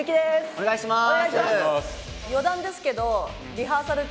お願いします！